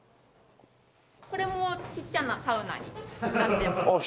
これもちっちゃなサウナになってます。